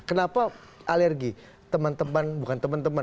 kenapa alergi teman teman bukan teman teman